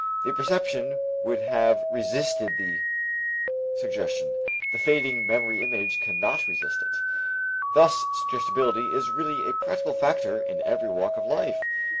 The perception would have resisted the suggestion, the fading memory image cannot resist it. Thus suggestibility is really a practical factor in every walk of life.